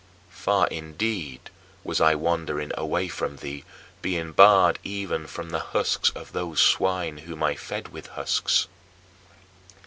Far, indeed, was I wandering away from thee, being barred even from the husks of those swine whom I fed with husks.